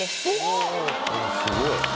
すごい。